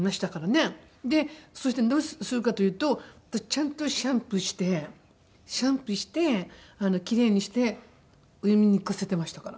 そしてどうするかというと私ちゃんとシャンプーしてシャンプーしてキレイにしてお嫁に行かせてましたから。